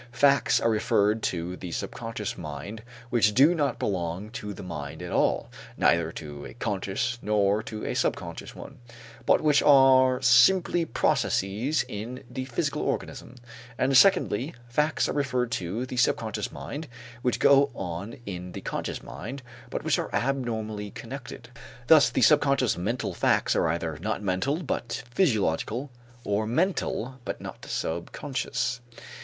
Facts are referred to the subconscious mind which do not belong to the mind at all, neither to a conscious nor to a subconscious one, but which are simply processes in the physical organism; and secondly, facts are referred to the subconscious mind which go on in the conscious mind but which are abnormally connected. Thus the subconscious mental facts are either not mental but physiological, or mental but not subconscious.